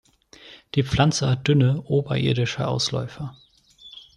Die Pflanze hat dünne oberirdische Ausläufer.